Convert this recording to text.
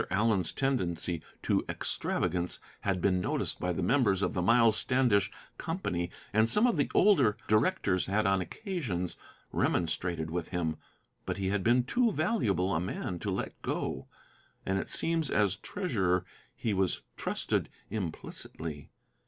Allen's tendency to extravagance had been noticed by the members of the Miles Standish Company, and some of the older directors had on occasions remonstrated with him. But he had been too valuable a man to let go, and it seems as treasurer he was trusted implicitly.